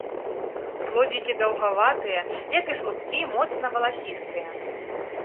Плодзікі даўгаватыя, як і слупкі моцна валасістыя.